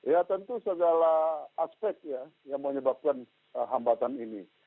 ya tentu segala aspek ya yang menyebabkan hambatan ini